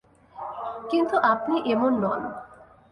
কিন্তু আপনি এমন নন।